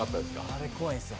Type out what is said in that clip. あれ、怖いんですよ。